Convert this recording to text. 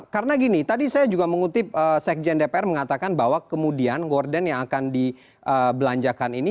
karena gini tadi saya juga mengutip sajjan dpr mengatakan bahwa kemudian gordon yang akan di belanjakan ini